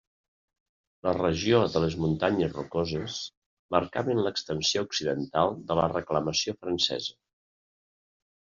La regió de les Muntanyes Rocoses marcaven l'extensió occidental de la reclamació francesa.